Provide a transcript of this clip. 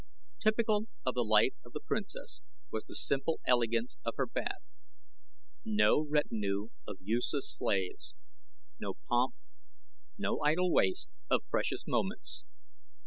Typical of the life of the princess was the simple elegance of her bath no retinue of useless slaves, no pomp, no idle waste of precious moments.